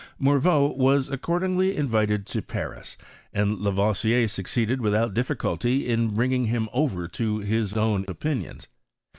Morveau was accordingly invited to Paris, and Lavoisier succeeded without difficulty in bringing him over to his own opinions.